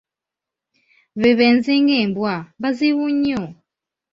"Be benzi ng’embwa, bazibu nnyo."